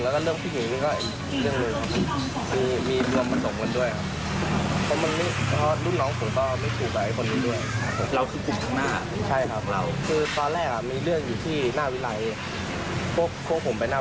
และนี้ก็คือกินความถึงเกิดเรื่องแตกต่างกันเวลา